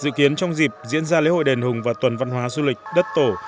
dự kiến trong dịp diễn ra lễ hội đền hùng và tuần văn hóa du lịch đất tổ